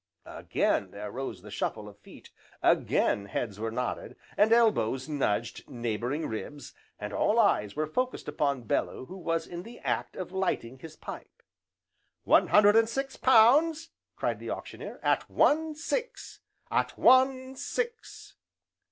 Again there rose the shuffle of feet, again heads were nodded, and elbows nudged neighbouring ribs, and all eyes were focussed upon Bellew who was in the act of lighting his pipe. "One hundred and six pounds!" cried the Auctioneer, "at one six! at one six!